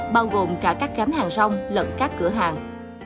bao gồm cả các gánh hàng rong lận các cửa hàng